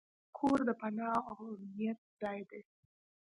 کور د پناه او امنیت ځای دی.